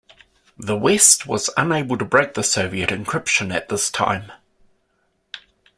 The West was unable to break the Soviet encryption at this time.